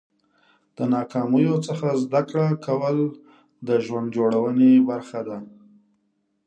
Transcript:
د ناکامیو څخه زده کړه کول د ژوند جوړونې برخه ده.